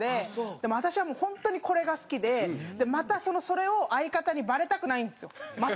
でも私はもうホントにこれが好きでまたそれを相方にバレたくないんですよ。